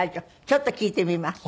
ちょっと聴いてみます。